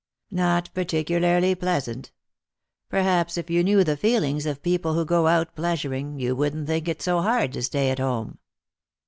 " Not particularly pleasant. Perhaps if you knew the feelings of people who go out pleasuring, you wouldn't think it so hard to stay at home."